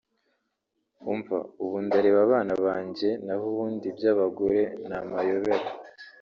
umva ubu ndareba abana banjye naho ubundi ibyabagore namayobera